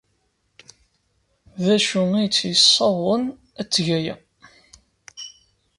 D acu ay tt-yessawḍen ad teg aya?